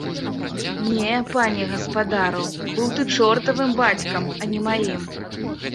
Не, пане гаспадару, быў ты чортавым бацькам, а не маім!